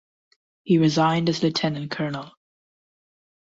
He resigned as Lieutenant colonel.